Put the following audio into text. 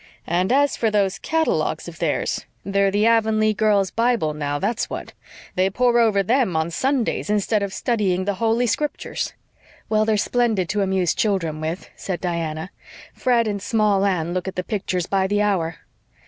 "And as for those catalogues of theirs, they're the Avonlea girls' Bible now, that's what. They pore over them on Sundays instead of studying the Holy Scriptures." "Well, they're splendid to amuse children with," said Diana. "Fred and Small Anne look at the pictures by the hour."